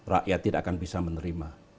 rakyat tidak akan bisa menerima